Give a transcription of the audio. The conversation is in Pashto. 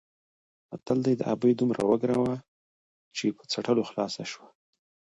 متل دی: د ابۍ دومره وګره وه چې په څټلو کې خلاصه شوه.